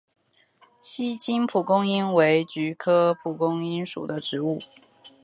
锡金蒲公英为菊科蒲公英属的植物。